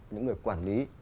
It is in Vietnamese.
những người quản lý